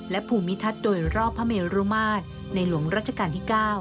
และภูมิทัศน์โดยรอบพระเมรุมาตรในหลวงรัชกาลที่๙